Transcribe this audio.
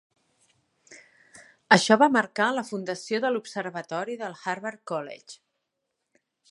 Això va marcar la fundació de l'Observatori del Harvard College.